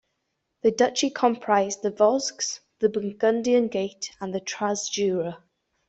The duchy comprised the Vosges, the Burgundian Gate, and the Transjura.